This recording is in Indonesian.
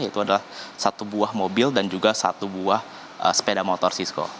yaitu adalah satu buah mobil dan juga satu buah sepeda motor sisko